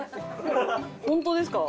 本当ですか？